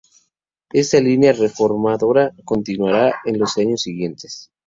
Esta línea reformadora continuará en los años siguientes.